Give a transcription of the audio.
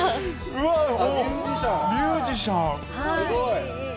うわー、ミュージシャン。